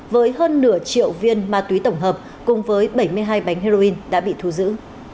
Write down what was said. với hơn nửa triệu viên ma túy tổng hợp cùng với bảy mươi hai bánh heroin đã bị thu giữ